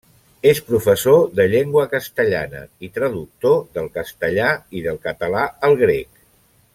És professor de llengua castellana i traductor del castellà i del català al grec.